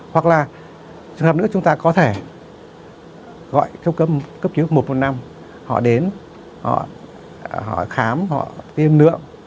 hoặc là trường hợp nữa chúng ta có thể gọi cấp cứu một trăm một mươi năm họ đến họ khám họ tiêm lượng